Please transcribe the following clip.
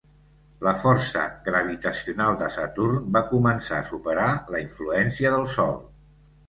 La força gravitacional de Saturn va començar a superar la influència del Sol.